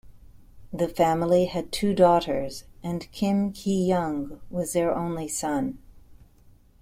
The family had two daughters, and Kim Ki-young was their only son.